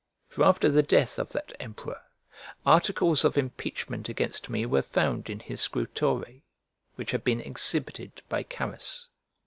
For after the death of that emperor, articles of impeachment against me were found in his scrutore, which had been exhibited by Carus.